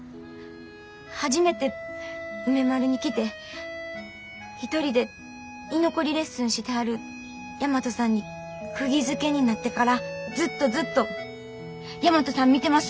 初めて梅丸に来て一人で居残りレッスンしてはる大和さんにくぎづけになってからずっとずっと大和さん見てます。